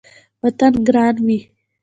وطن ګران وي